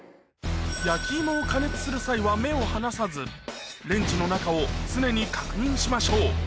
焼き芋を加熱する際は目を離さず、レンジの中を常に確認しましょう。